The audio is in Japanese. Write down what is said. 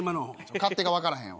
勝手がわからへんわ。